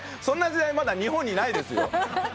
そんな時代まだ日本にないですよ。